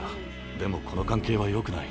でも、この関係は、よくない。